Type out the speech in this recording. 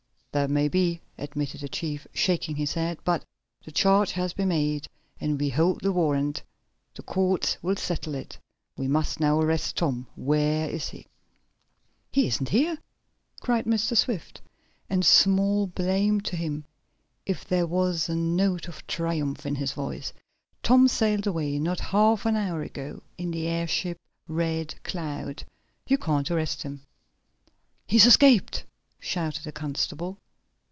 "That may be," admitted the chief shaking his head. "But the charge has been made, and we hold the warrant. The courts will settle it. We must now arrest Tom. Where is he?" "He isn't here!" cried Mr. Swift, and small blame to him if there was a note of triumph in his voice. "Tom sailed away not half an hour ago in the airship Red Cloud! You can't arrest him!" "He's escaped!" shouted the constable.